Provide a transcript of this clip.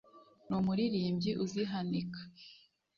N’umuririmbyi uzihanika